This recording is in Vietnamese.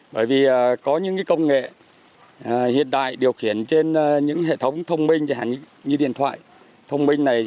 bởi vì có những cái công nghệ hiện đại điều khiển trên những hệ thống thông minh như điện thoại thông minh này